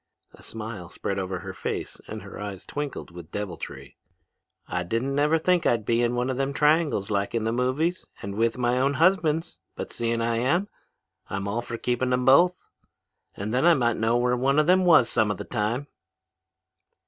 A smile spread over her face and her eyes twinkled with deviltry. 'I didn't never think I'd be in one of them triangles like in the movies, and with my own husbands, but seein' I am, I'm all for keeping them both. Then I might know where one of them was some of the time.'